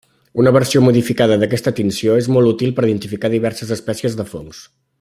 Una versió modificada d'aquesta tinció és molt útil per identificar diverses espècies de fongs.